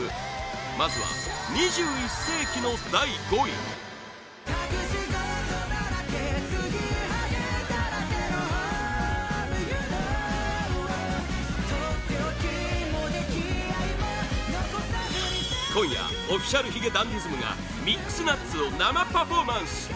まずは２１世紀の第５位今夜Ｏｆｆｉｃｉａｌ髭男ｄｉｓｍが「ミックスナッツ」を生パフォーマンス